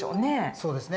そうですね。